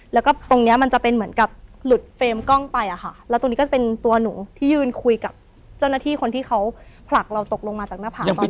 แล้วก็ตรงเนี้ยมันจะเป็นเหมือนกับหลุดเฟรมกล้องไปอะค่ะแล้วตรงนี้ก็จะเป็นตัวหนูที่ยืนคุยกับเจ้าหน้าที่คนที่เขาผลักเราตกลงมาจากหน้าผาบ้าง